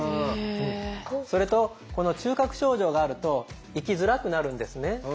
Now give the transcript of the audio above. それとこの中核症状があると生きづらくなるんですね。